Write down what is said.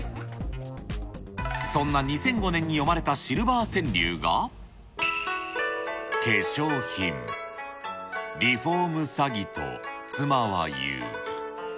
そんな２００５年に詠まれたシルバー川柳が、化粧品リフォーム詐欺と妻は言う。